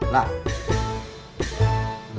lauknya cuma tempe bacem doang bob